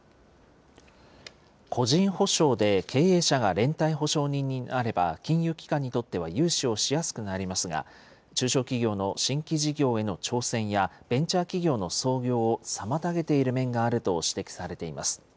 個人保証で経営者が連帯保証人になれば金融機関にとっては融資をしやすくなりますが、中小企業の新規事業への挑戦や、ベンチャー企業の創業を妨げている面があると指摘されています。